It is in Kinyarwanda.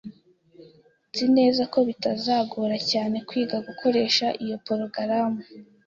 Nzi neza ko bitazagora cyane kwiga gukoresha iyo porogaramu.